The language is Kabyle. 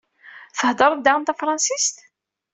Theddreḍ daɣen tafransist?